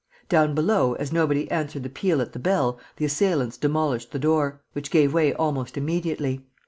Down below, as nobody answered the peal at the bell, the assailants demolished the door, which gave way almost immediately.